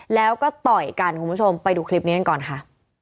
แล้วก็ต่อยกันคุณผู้ชมไปดูคลิปนี้กันก่อนค่ะ